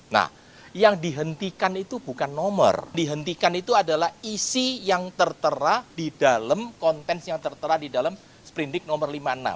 nah yang dihentikan itu bukan nomor dihentikan itu adalah isi yang tertera di dalam kontens yang tertera di dalam sprindik nomor lima puluh enam